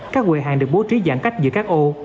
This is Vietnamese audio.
các quầy hàng được bố trí giãn cách giữa các ô